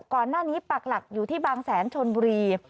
ก่อนหน้านี้ปักหลักอยู่ที่บางแสนชนบุรี